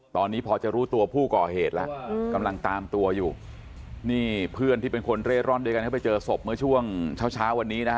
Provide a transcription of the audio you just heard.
ตอนนี้พอจะรู้ตัวผู้ก่อเหตุแล้วกำลังตามตัวอยู่นี่เพื่อนที่เป็นคนเร่ร่อนด้วยกันเข้าไปเจอศพเมื่อช่วงเช้าเช้าวันนี้นะฮะ